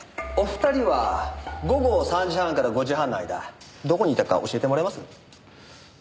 お二人は午後３時半から５時半の間どこにいたか教えてもらえます？